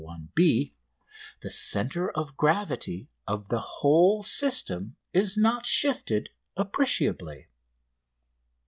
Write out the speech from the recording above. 1, b, the centre of gravity of the whole system is not shifted appreciably.